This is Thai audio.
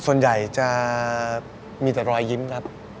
ส่วนใหญ่จะมีแต่รอยยิ้มครับ